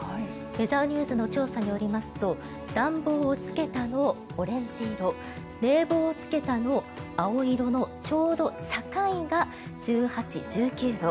ウェザーニューズの調査によりますと「暖房をつけた」のオレンジ色「冷房をつけた」の青色のちょうど境が１８、１９度。